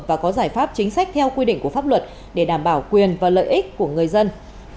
và có giải pháp chính sách theo quy định của pháp luật để đảm bảo quyền và lợi ích của người dân